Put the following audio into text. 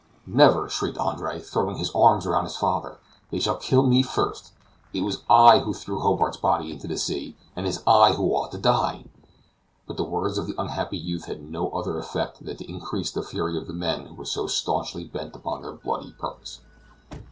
"Never!" shrieked Andre, throwing his arms about his father. "They shall kill me first. It was I who threw Hobart's body into the sea, and it is I who ought to die!" But the words of the unhappy youth had no other effect than to increase the fury of the men who were so stanchly bent upon their bloody purpose.